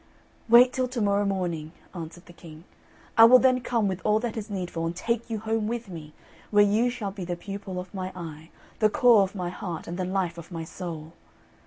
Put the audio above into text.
"Wait till to morrow morning," answered the King; "I will then come with all that is needful, and take you home with me, where you shall be the pupil of my eye, the core of my heart, and the life of my soul."